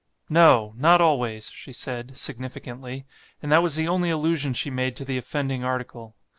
'No! not always,' she said, significantly; and that was the only allusion she made to the offending article.